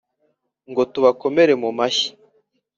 Ngo tubakomere mu mashyi